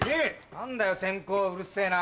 何だよ先公うるせぇな。